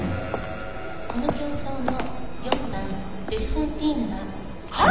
この競走の４番ベルフォンティーヌは。はっ！？